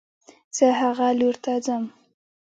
زه هغه لور ته ځم